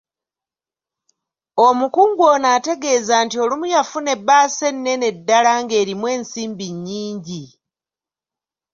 Omukungu ono ategeeza nti olumu yafuna ebbaasa ennene ddala ng’erimu ensimbi nnyingi.